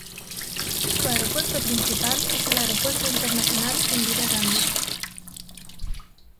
Su aeropuerto principal es el Aeropuerto Internacional Indira Gandhi.